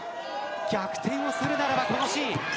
逆転をするなら、このシーン。